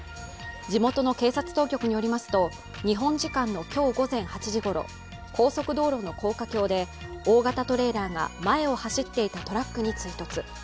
地元の警察当局によりますと日本時間の今日午前８時ごろ高速道路の高架橋で、大型トレーラーが前を走っていたトラックに追突。